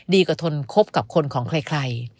กว่าทนคบกับคนของใคร